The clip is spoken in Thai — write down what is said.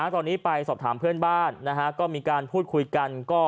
ตอนนี้ไปสอบถามเพื่อนบ้านก็มีการพูดคุยกัน